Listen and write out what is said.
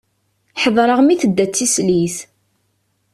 Ḥeḍreɣ mi tedda d tislit.